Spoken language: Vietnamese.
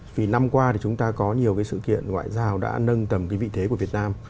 vì năm qua thì chúng ta có nhiều cái sự kiện ngoại giao đã nâng tầm cái vị thế của việt nam